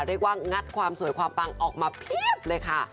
งัดความสวยความปังออกมาเพียบเลยค่ะ